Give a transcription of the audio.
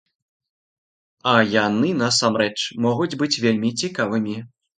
А яны насамрэч могуць быць вельмі цікавымі.